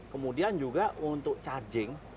kemudian juga untuk charging